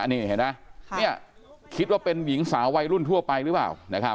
นี่เห็นไหมคิดว่าเป็นหญิงสาววัยรุ่นทั่วไปหรือเปล่า